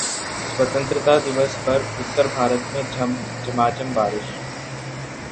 स्वतंत्रता दिवस पर उत्तर भारत में झमाझम बारिश